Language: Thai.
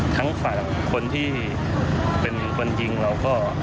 ทั้งฝั่งคนที่เป็นคนยิงเราก็